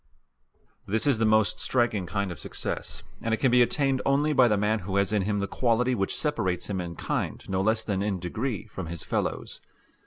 This is the most striking kind of success, and it can be attained only by the man who has in him the quality which separates him in kind no less than in degree from his fellows.